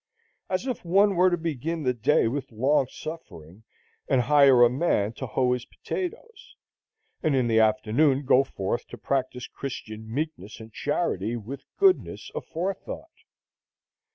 As if one were to begin the day with long suffering, and hire a man to hoe his potatoes; and in the afternoon go forth to practise Christian meekness and charity with goodness aforethought!